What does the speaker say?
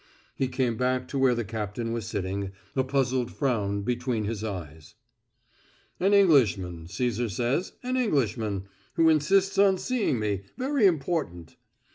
He came back to where the captain was sitting, a puzzled frown between his eyes. "An Englishman, Cæsar says an Englishman, who insists on seeing me very important."